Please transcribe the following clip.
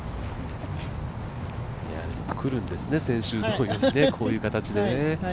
くるんですね、先週といいねこういう形でね。